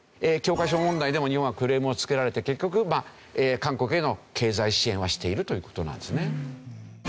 教科書問題でも日本はクレームをつけられて結局韓国への経済支援はしているという事なんですね。